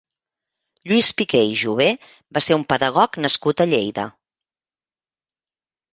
Lluís Piquer i Jové va ser un pedagog nascut a Lleida.